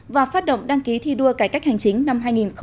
và phát động đăng ký thi đua cải cách hành chính năm hai nghìn một mươi chín